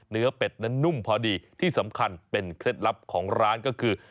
เป็ดนั้นนุ่มพอดีที่สำคัญเป็นเคล็ดลับของร้านก็คือ